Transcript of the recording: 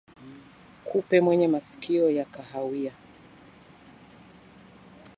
Kupe mwenye masikio ya kahawia